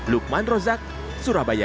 lukman rozak surabaya